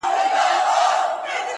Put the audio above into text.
وموږ تې سپكاوى كاوه زموږ عزت يې اخيست _